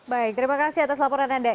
baik terima kasih atas laporan anda